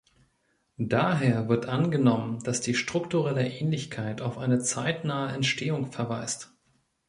Daher wird angenommen, dass die strukturelle Ähnlichkeit auf eine zeitnahe Entstehung verweist.